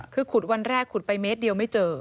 คือขุดวันแรกขุดไปเมตรเดียวไม่เจอ